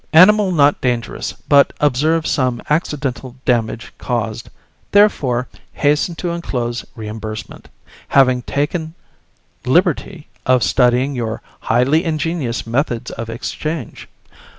Animal not dangerous, but observe some accidental damage caused, therefore hasten to enclose reimbursement, having taken liberty of studying your highly ingenious methods of exchange.